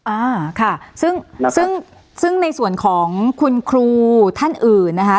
อ่าค่ะซึ่งซึ่งในส่วนของคุณครูท่านอื่นนะคะ